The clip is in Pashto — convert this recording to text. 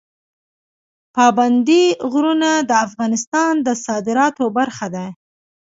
پابندی غرونه د افغانستان د صادراتو برخه ده.